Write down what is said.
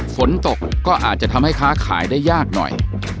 ฝนตกก็อาจจะทำให้ค้าขายได้ยากหน่อย